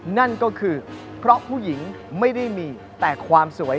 นั่นก็คือเพราะผู้หญิงไม่ได้มีแต่ความสวย